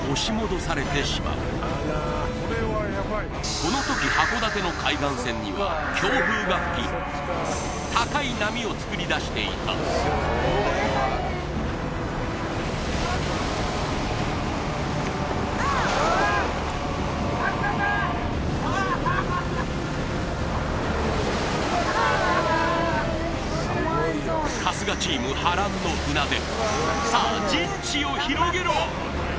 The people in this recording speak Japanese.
この時函館の海岸線には強風が吹き高い波を作りだしていた春日チームさあ陣地を広げろ！